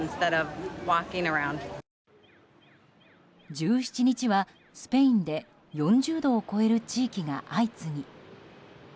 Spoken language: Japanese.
１７日はスペインで４０度を超える地域が相次ぎ。